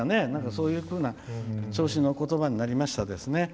そういうふうな調子のことばになりましたね。